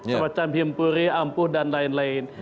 semacam himpuri ampuh dan lain lain